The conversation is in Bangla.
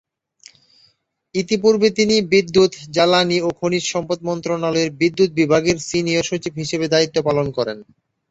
ইতিপূর্বে তিনি বিদ্যুৎ, জ্বালানি ও খনিজ সম্পদ মন্ত্রণালয়ের বিদ্যুৎ বিভাগের সিনিয়র সচিব হিসেবে দায়িত্ব পালন করেন।